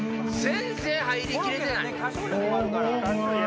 全然入りきれてない！